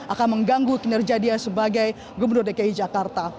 akan mengganggu kinerja dia sebagai gubernur dki jakarta